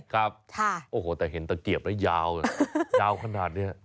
ครับโอ้โหแต่เห็นตะเกียบแล้วยาวยาวขนาดนี้